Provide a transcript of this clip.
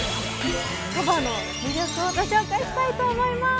鳥羽の魅力をご紹介したいと思います。